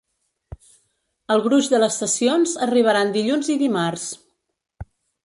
El gruix de les sessions arribaran dilluns i dimarts.